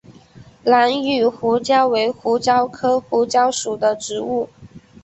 兰屿胡椒为胡椒科胡椒属的植物。